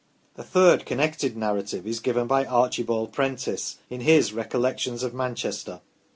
A third connected narrative is given by Archibald Prentice, in his "Recollections of Manchester".